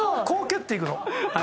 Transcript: こう蹴っていくの。